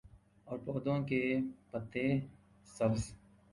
اور پودوں کے پتے سبز